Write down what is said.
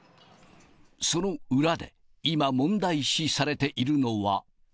その裏で今、問題視されているのは。